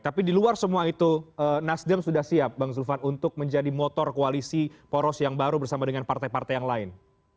tapi di luar semua itu nasdem sudah siap bang zulfan untuk menjadi motor koalisi poros yang baru bersama dengan partai partai yang lain